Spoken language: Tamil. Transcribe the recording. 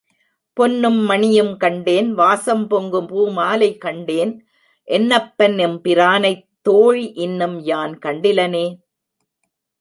பொன்னும் மணியும் கண்டேன் வாசம் பொங்கு பூ மாலை கண்டேன் என்னப்பன் எம்பிரானைத் தோழி இன்னும் யான் கண்டிலனே.